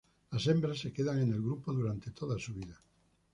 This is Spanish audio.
Las hembras se quedan en el grupo durante toda su vida.